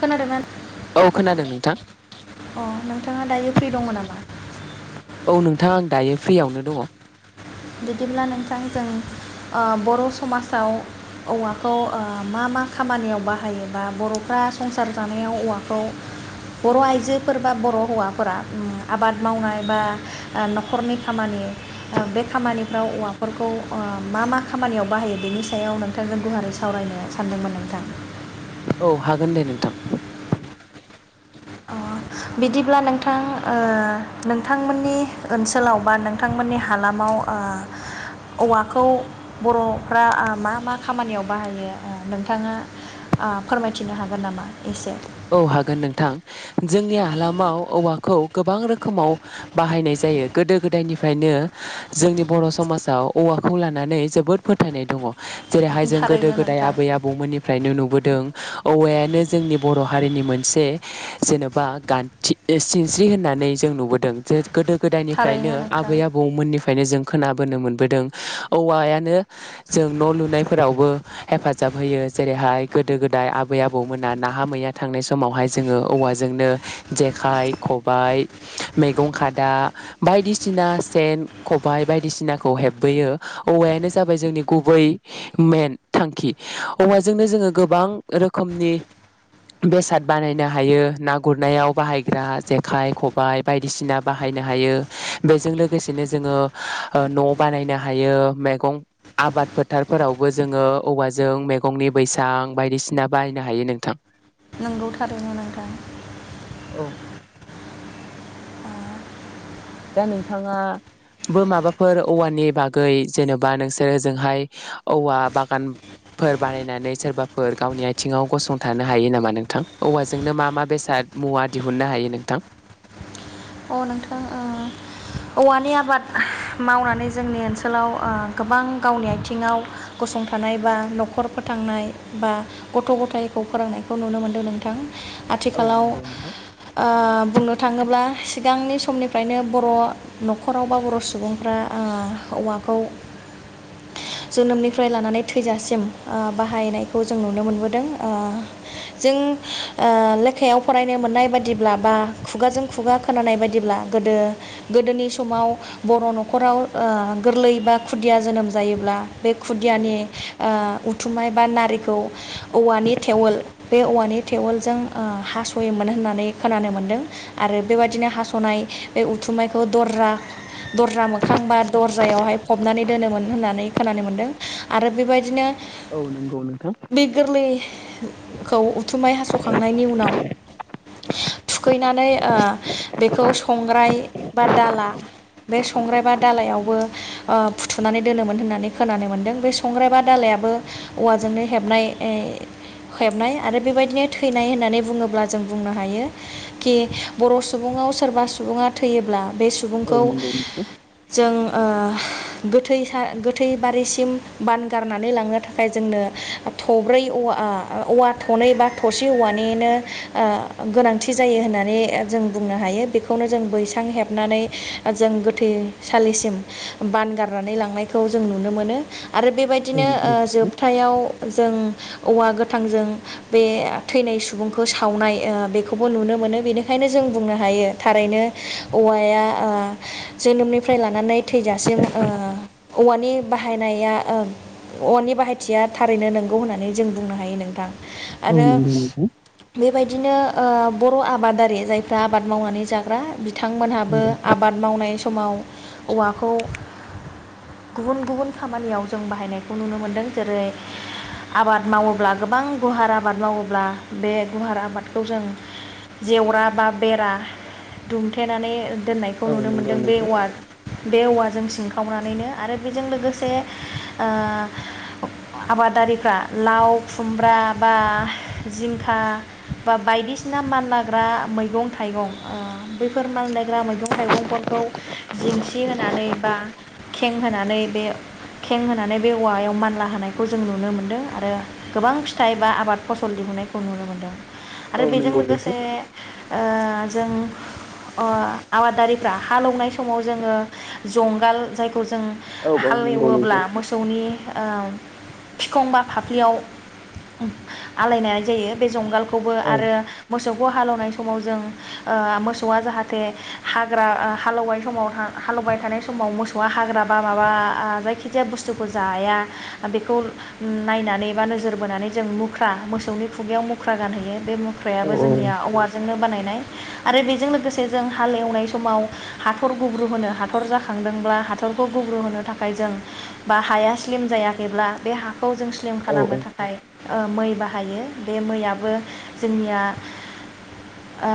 खोनादोंमोन औ खोनादों नोंथां अ नोंथाङा दायो फ्रि दङ नामा? औ नोंथां आं दायो फ्रियावनो दङ। बिदिब्ला नोंथां जों बर' समाजाव औवाखौ मा मा खामानियाव बाहायो बा बर'फ्रा संसार जानायाव औवाखौ बर' आइजोफोर बा बर' हौवाफोरा आबाद मावनाय बा न'खरनि खामानि बे खामानिफ्राव औवाफोरखौ मा मा खामानियाव बाहायो बेनि सायाव नोंथांजों गुवारै सावरायनो सानदोंमोन नोंथां। औ हागोन दे नोंथां। अ बिदिब्ला नोंथां ओ नोंथांमोननि ओनसोलाव बा नोंथांमोननि हालामाव ओ औवाखौ बर'फ्रा मा मा खामानियाव बाहायो ओ नोंथाङा फोरमायथिनो हागोन नामा एसे? औ हागोन नोंथां जोंनि हालामाव औवाखौ गोबां रोखोमाव बाहायनाय जायो। गोदो गोदायनिफ्रायनो जोंनि बर' समाजाव औवाखौ लानानै जोबोद फोथायनाय दङ'। जेरैहाय जों गोदो थारैनो गोदाय नोंथां आबै आबौमोननिफ्रायनो नुबो दों औवायानो जोंनि बर' हारिनि मोनसे जेन'बा गान्थि सिनस्रि होननानै जों नुबोदों। जे गोदो गोदायनिफ्रायनो थारैनो नोंथां आबै आबौमोननि फ्रायनो जों खोनाबोनो मोनबोदों औवायानो जों न' लुनायफोरावबो हेफाजाब होयो जेरैहाय गोदो गोदाय आबै आबौमोना नाहा मैया थांनाय समावहाय जोङो औवाजोंनो जेखाइ, खबायाइ, मैगं खादा, बायदिसिना सेन, खबाय बायदिसिनाखौ हेबबोयो औवायानो जाबाय जोंनि गुबै मेन थांखि औवाजोंनो जोङो गोबां रोखोमनि बेसाद बानायनो हायो ना गुरनायाव बाहायग्रा जेखाइ खबाइ बायदिसिना बाहायनो हायो । बेजों लोगोसेनो जोङो न' बानायनो हायो मैगं आबाद फोथारफोरावबो जोङो औवाजों मैगंनि बैसां बायदिसिना बाहायनो हायो नोंथां। नंगौ थारैनो नोंथां। औ दा नोंथाङाबो माबाफोर औवानि बागै जेनेबा नोंसोर ओजोंहाय औवा बागानफोर बानायनानै सोरबाफोर गावनि आथिङाव गसंथानो हायो नामा नोंथां? औवाजोंनो मा मा बेसाद मुवा दिहुननो हायो नोंथां? अ नोंथाङा ओ औवानि आबाद मावनानै जोंनि ओनसोलाव ओ गोबां गावनि आथिङाव गसंथानाय बा न'खर फोथांनाय बा गथ' गथायखौ फोरोंनायखौ नुनो मोनदों नोंथां। औ आथिखालाव नंगौ नोंथां ओ बुंनो थाङोब्ला सिगांनि समनिफ्रायनो बर' न'खराव बा बर' सुबुंफ्रा ओ औवाखौ जोनोमनिफ्राय लानानै थैजासिम ओ बाहायनायखौ जों नुनो मोनबोदों। ओ जों लेखायाव फरायनो मोननाय बादिब्ला बा खुगाजों खुगा खोनानाय बायदिब्ला गोदो गोदोनि समाव बर' न'खराव ओ गोरलै बा खुदिया जोनोम जायोब्ला बे औ औ खुदियानि ओ उथुमाय बा नारिखौ औवानि थेवोल बे औवानि टेवलजों हास'योमोन होननानै खोनानो मोन्दों। आरो बेबायदिनो हास'नाय बे उथुमनायखौ दरजा दरजा मोखां बा दरजायावहाय फबनानै दोनोमोन होननानै खोनानो मोन्दों। आरो बेबायदिनो औ नंगौ नोंथां बि गोरलै खौ थुमाय हास'खांनायनि उनाव थुखैनानै ओ बेखौ संग्राय बा दाला बे संग्राय बा दालायाव बो ओ फुथुनानै दोनोमोन होननानै खोनानो मोनदों। बे संग्राय बा दालायाबो औवाजोंनो हबनाय हेबनाय। आरो बेबायदिनो थैनाय होननानै बुङोब्ला जों बुंनो हायो खि बर' सुबुंआव सोरबा सुबुङा थैयोब्ला बे औ सुबुंखौ नंगौ नोंथां जों ओ गोथै गोथैबारिसिम बान गारनानै लांनो थाखाय जोंनो थब्रै औवा औवा थनै बा थरसि औवानिनो गोनांथि जायो होननानै जों बुंनो हायो बेखौनो जों बैसां हेबनानै जों गोथैसालिसिम बान गारनानै लांनायखौ जों नुनो मोनो। आरो औ बेबायदिनो नंगौ ओ नोंथां जोबथायाव जों औवा गोथांजों बे थैनाय सुबुंखौ सावनाय बेखौबो नुनो मोनो। बेनि खायनो जों बुंनो हायो थारैनो औवाया ओ जोनोमनिफ्राय लानानै थैजासिम ओ औवानि बाहायनाया औवानि बाहायथिया थारैनो नंगौ होननानै जों बुंनो हायो नोंथां। औ आरो नंगौ नोंथां बे बेबायदिनो ओ बर' आबादारि जायफ्रा आबाद मावनानै जाग्रा औ बिथांमोनहाबो आबाद मावनाय सम समाव औवाखौ बा बेरा दुंथेनानै औ नंगौ नोंथां [unintelligible] बे औवाजों सिंखावनानैनो आरो बेजों लोगोसे ओ आबादारिफ्रा लाव खुमब्रा बा जिंखा बा बायदिसिना मानलाग्रा मै गं थाइगं बेफोर मानलायग्रा मैगं थाइगंफोरखौ जेंसि होनानै बा खें होनानै बे खें होनानै बे औवायाव मानला होनायखौ जों नुनो मोन्दों आरो गोबां फिथाइ बा आबाद फसल दिहुनायखौ नुनो मोन्दों। औ आरो बेजों नंगौ लोगोसे ओ जों आबादारिफ्रा हालौवनाय [unintelligible] समाव जोङो जंगाल जाय खौ जों हालेवोब्ला नोंथां मोसौनि ओ फिखं बा फाफ्लियाव आलायनाय जायो बे जंगालखौ खौबो औ आरो मो खौ हालौनाय समाव जों ओ मोसौआ जाहाथे हा औ नंगौ नोंथां औ फ्रायाबो जोंनिया औवा जोंनो बानायनाय आरो बेजों लोगोसे जों हाल एवनाय समाव हाथर गुब्रु होनो हाथर जाखांदोंब्ला हाथरखौ गुब्रु होनो थाखाय जों बा हाया स्लिम जायाखैब्ला बे खौ जों स्लिम औ खालामनो थाखाय ओ मै बाहायो बे मैयाबो जोंनिया ओ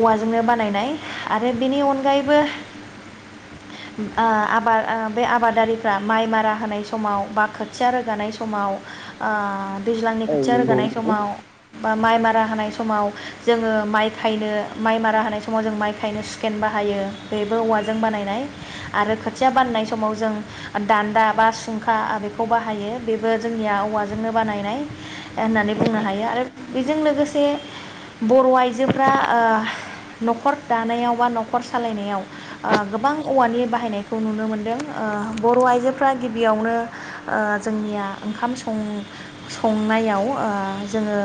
औवाजोंनो बानायनाय आरो बेनि अनगायैबो ओ आबाद बै आबादारिफ्रा माइ मारा होनाय समाव बा खोथिया रोगानाय समाव ओ दैज्लांनि औ नंगौ खोथिया रोगानाय नोंथां समाव बा माइ मारा हानाय समाव जोङो माइ खायनो माइ मारा होनाय समाव जों माइ खायनो सुखेन बाहायो बेबो औवाजों बानायनाय आरो खोथिया बाननाय समाव जों दान्दा बा सुंखा बेखौ बाहायो बेबो जोंनिया औवाजोंनो बानायनाय। होननानै बुंनो हायो आरो बेजों लोगोसे बर' आइजोफ्रा ओ न'खर दानायाव बा न'खर सालायनायाव ओ गोबां औवानि बाहायनायखौ नुनो मोनदों ओ बर' आइजोफ्रा गिबियावनो ओ जोंनिया ओंखाम सं-संनायाव ओ जोङो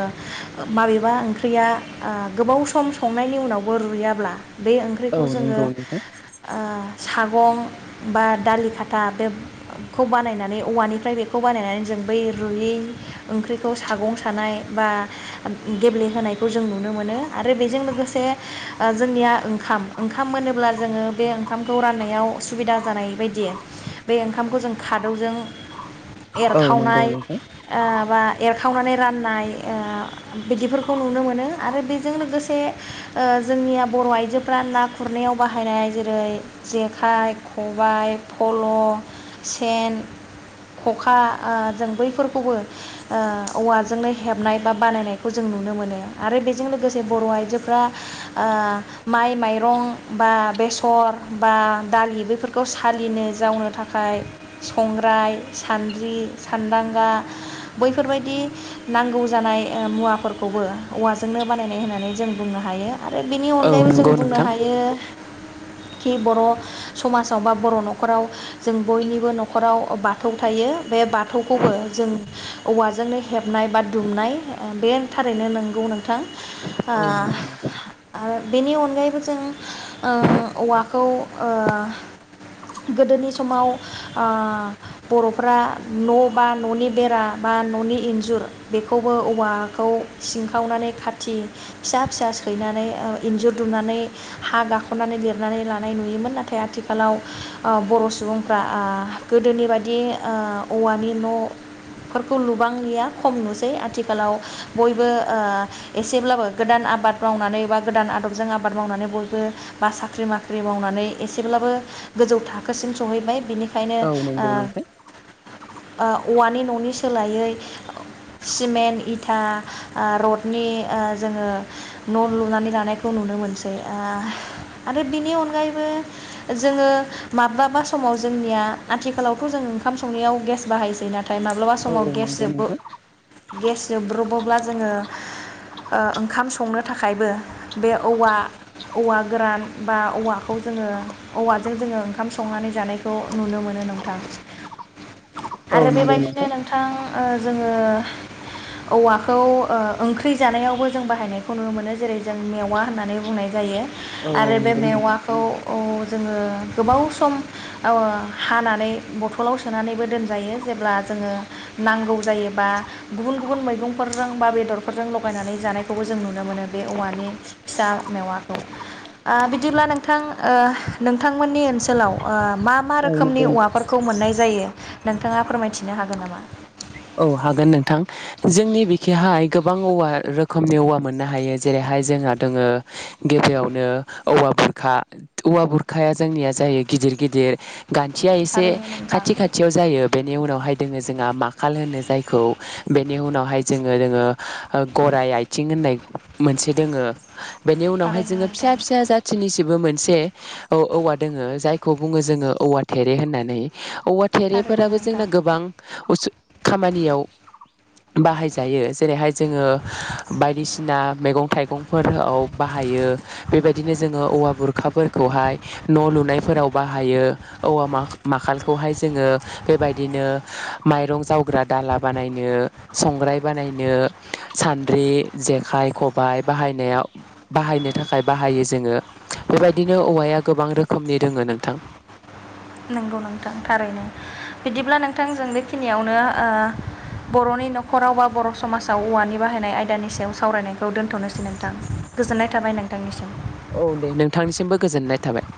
माबेबा ओंख्रिया ओ गोबाव सम संनायनि उनावबो रुयाब्ला बे औ ओंख्रिखौ जोङो नंगौ नोंथां ओ सागं बा दालि खाथा बेखौ बानायनानै औवानिफ्राय बेखौ बानायनानै जों बै रुयै ओंख्रिखौ सागं सानाय बा गेब्लेहोनायखौ जों नुनो मोनो आरो बेजों लोगोसे ओ जोंनिया ओंखाम ओंखाम मोनोब्ला जोङो बे ओंखामखौ राननायाव सुबिदा जानाय बायदि बे ओंखामखौ जों खादौजों औ एरखावनाय नंगौ नोंथां ओ बा एर खावनानै राननाय ओ बिदिफोरखौ नुनो मोनो। आरो बेजों लोगोसे ओ जोंनिया बर' आइजोफोरा ना गुरनायाव बाहायनाय जेरै जेखाइ खबाय फल सेन खखा ओ जों बैफोरखौबो ओ औवाजोंनो हेबनाय बा बानायनायखौ जों नुनो मोनो। आरो बेजों लोगोसे बर' आइजोफ्रा ओ माइ माइरं बा बेसर बा दालि बेफोरखौ सालिनो जावनो थाखाय संग्राय सान्द्रि सान्दांगा बैफोरबायदि नांगौ जानाय ओ मुवाफोरखौबो औवाजोंनो बानायनाय होननानै जों बुंनो हायो आरो बेनि औ अनगायैबो जों नंगौ बुंनो नोंथां हायो खि बर' समाजाव बा बर' नखराव जों बयनिबो नखराव बाथौ थायो बे बाथौखौबो जों औवाजोंनो हेबनाय बा दुमनाय ओ बे थारैनो नों गौ नोंथां। औ ओ आरो बेनि अनगायैबो जों ओं औवाखौ ओ गोदोनि समाव ओ बर'फोरा न' बा न'नि बेरा बा न'नि इन्जुर बेखौबो औवाखौ सिं खावनानै खाथि फिसा फिसा सैनानै ओ इन्जुर दुमनानै हा गाखोनानै लिरनानै लानाय नुयोमोन नाथाय आथिखालाव ओ बर' सुबुंफ्रा ओ गोदोनि बायदि ओ औवानि नफोरखौ लुबांलिया खम नुसै आथिखालाव बयबो ओ एसेब्लाबो गोदान आबाद मावनानै बा गोदान आदबजों आबाद मावनानै बयबो बा साख्रि बाख्रि मावनानै एसेब्लाबो गोजौ थाखोसिम सहैबाय बिनिख खायनो औ नंगौ नोंथां औ ओ ओ औवानि न'नि सोलायै सिमेन्ट इथा ओ रडनि ओ जोङो न' लुनानै लानायखौ नुनो मोनसै ओ आरो बिनि अनगायैबो जोङो माब्लाबा समाव जोंनिया आथिखालावथ' जों ओंखाम संनायाव गेस बाहायसै नाथाय माब्लाबा समाव गेस नंगौ जबो नोंथां गेस जोबब्रबोब्ला जोङो ओ ओंखाम संनो थाखायबो बे औवा औवा गोरान बा औवाखौ जोङो औवाजों जोङो ओंखाम संनानै जानायखौ नुनो मोनो नोंथां। औ आरो नंगौ बेबायदिनो औ नोंथां ओ जोङो औवा खौ ओ ओंख्रि जानायावबो जों बाहायनायखौ नुनो मोनो जेरै जों मेवा होननानै बुंनाय जायो औ नंगौ आरो बे नोंथां मेवाखौ जोङो गोबाव सम ओ हानानै बथलाव सोनानैबो दोनजायो जेब्ला जोङो नांगौ जायोबा गुबुन गुबुन मैगं गंफोरजों बा बेदरफोरजों लगायनानै जानायखौबो जों नुनो मोनो बे औवानि फिसा मेवाखौ ओ बिदिब्ला नोंथां ओ नोंथांमोननि ओनसोलाव ओ मा मा औ नंगौ नोंथां रोखोमनि औवाफोरखौ मोननाय जा जायो नोंथाङा फोरमायथिनो हागोन नामा? औ हागोन नोंथां जोंनि बिखेहाय गोबां औवा रोखोमनि औवा मोननो हायो जेरैहाय जोंहा दङो गिबियावनो औवा बुरखा औवा बुरखाया जोंनिया जायो गिदिर गिदिर गान्थिया एसे थारैनो नोंथां खाथि खाथियाव जायो बेनि उनावहाय दोङो जोंहा मा खाल होनो जायखौ बेनि उनावहाय जोङो दोङो ओ गरायाइ आथिं होननाय मोनसे दोङो बेनि उनावहाय थारैनो जोङो नोंथां फिसा फिसा जाथिनि जेबो मोनसे औ औवा दोङो जायखौ बुङो जोङो औवा थेरे होननानै। औवा थारैनो थेरेफोराबो नोंथां जोंना गोबां उसु खामानियाव बाहायजायो जेरैहाय जोङो बायदिसिना मैगं थाइगंफोराव बाहायो बेबायदिनो जोङो औवा बुरखाफोरखौहाय न' लुनायफोराव बाहायो औवा मा माखालखौहाय जोङो बेबायदिनो माइरं जाव ग्रा दाला बानायनो संग्राय बानायनो सान्द्रि जेखाइ खबाइ बाहायनायाव बाहायनो थाखाय बाहायो जोङो बेबायदिनो औवाया गोबां रोखोमनि दोङो नोंथां। नंगौ नोंथां थारैनो बिदिब्ला नोंथां जों बेखिनियावनो ओ बर'नि नखराव बा बर' समाजाव औवानि बाहायनाय आयदानि सायाव सावरायनायखौ दोन्थनोसै नोंथां गोजोननाय थाबाय नोंथांनिसिम। औ दे नोंथांनिसिमबो गो गोजोननाय थाबाय।